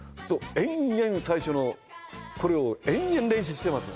延々最初のこれを延々練習してます